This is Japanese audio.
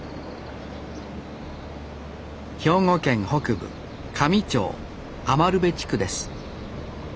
兵庫県北部香美町余部地区です